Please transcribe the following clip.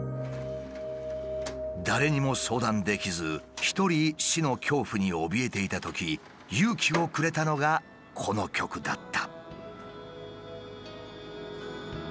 誰にも相談できず一人死の恐怖におびえていたとき勇気をくれたのがこの曲だった。